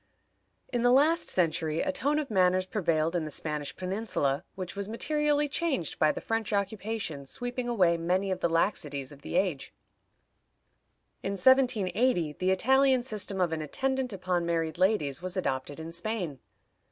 In the last century a tone of manners prevailed in the Spanish peninsula which was materially changed by the French occupation sweeping away many of the laxities of the age. In 1780 the Italian system of an attendant upon married ladies was adopted in Spain.